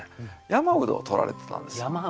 山独活を採られてたんですよ。